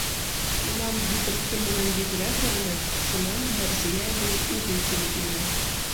Унан һепертке менән биҙрә күренә, шунан Мәрзиә әбей үҙе килеп инә.